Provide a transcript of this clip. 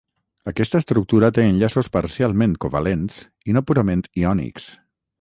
Aquesta estructura té enllaços parcialment covalents i no purament iònics.